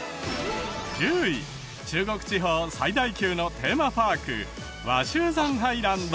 １０位中国地方最大級のテーマパーク鷲羽山ハイランド。